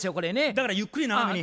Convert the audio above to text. だからゆっくり長めに。